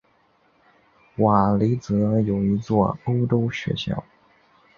瓦雷泽有一座欧洲学校。